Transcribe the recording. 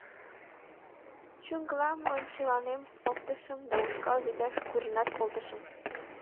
Чуҥгылам ончыланем оптышым да ушкал вӱташ куржынат колтышым.